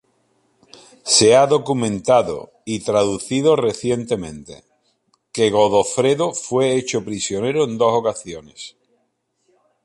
Se ha documentado, y traducido recientemente, que Godofredo fue hecho prisionero en dos ocasiones.